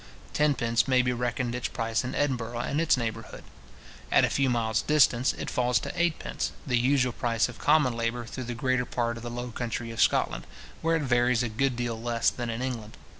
Tenpence may be reckoned its price in Edinburgh and its neighbourhood. At a few miles distance, it falls to eightpence, the usual price of common labour through the greater part of the low country of Scotland, where it varies a good deal less than in England.